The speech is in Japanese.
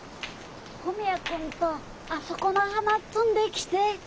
文也君とあそこの花摘んできて。